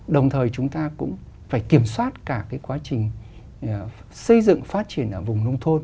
đồng thời chúng ta cũng phải kiểm soát cả cái quá trình xây dựng phát triển ở vùng nông thôn